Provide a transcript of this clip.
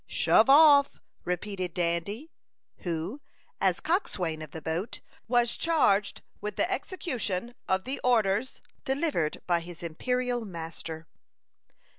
"Shove off!" repeated Dandy, who, as coxswain of the boat, was charged with the execution of the orders delivered by his imperial master.